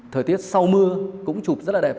thời tiết sau mưa cũng chụp rất là đẹp